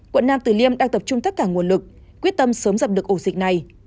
quận nam từ liêm đang tập trung tất cả nguồn lực quyết tâm sớm dập được ổ dịch này